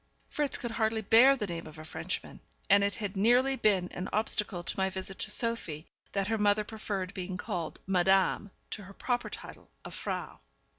Fritz could hardly bear the name of a Frenchman; and it had nearly been an obstacle to my visit to Sophie that her mother preferred being called Madame to her proper title of Frau.